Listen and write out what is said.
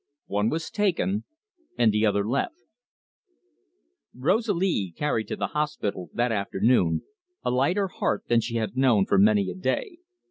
ONE WAS TAKEN AND THE OTHER LEFT Rosalie carried to the hospital that afternoon a lighter heart than she had known for many a day.